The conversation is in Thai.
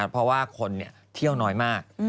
เพราะว่าคนเที่ยวน้อยมาก